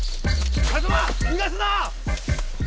風真逃がすな！